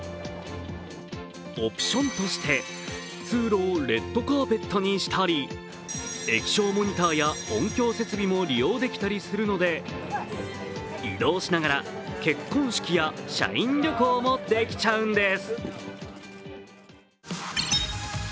オプションとして通路をレッドカーペットにしたり液晶モニターや音響設備も利用できたりするので、移動しながら結婚式や社員旅行もできちゃうんです。